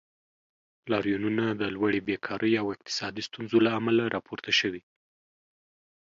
لاریونونه د لوړې بیکارۍ او اقتصادي ستونزو له امله راپورته شوي.